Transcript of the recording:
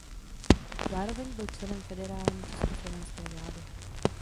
Zároveň byl členem federální československé vlády.